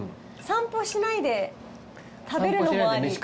散歩しないで食べるのもあり。